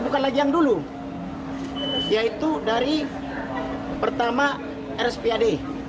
bukan lagi yang dulu yaitu dari pertama rspad